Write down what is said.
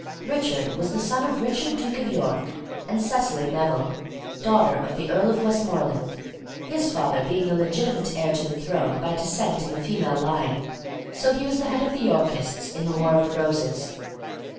Richard was the son of Richard, Duke of York, and Cecily Neville, daughter of the Earl of Westmoreland, his father being the legitimate heir to the throne by descent in the female line, so he was the head of the Yorkists in the War of the Roses.